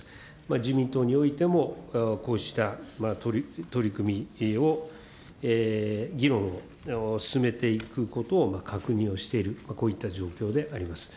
自民党においても、こうした取り組みを議論を進めていくことを確認をしている、こういった状況であります。